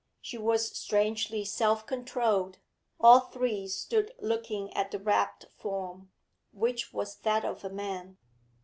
She was strangely self controlled. All three stood looking at the wrapped form, which was that of a man.